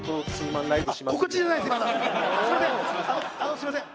すいません